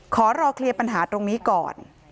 ขอรอเคลียร์ปัญหาตรงนี้ก่อน